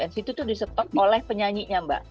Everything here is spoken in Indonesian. nct itu disetup oleh penyanyinya mbak